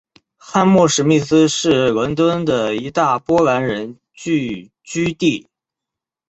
汉默史密斯是伦敦的一大波兰人聚居地。